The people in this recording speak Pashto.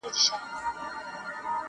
را ایستل یې له قبرونو کفنونه!!